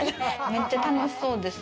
めっちゃ楽しそうです